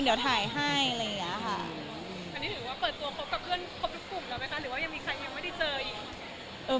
หรือว่ามีใครก็ไม่ได้เจออีก